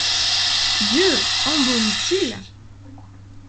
Dieu ! embaume-t-il !